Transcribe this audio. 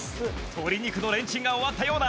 鶏肉のレンチンが終わったようだ